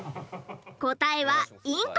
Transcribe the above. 答えはインコ。